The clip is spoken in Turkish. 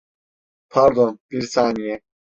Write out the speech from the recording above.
Pardon, bir saniye.